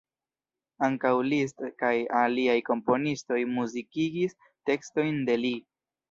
Ankaŭ Liszt kaj aliaj komponistoj muzikigis tekstojn de li.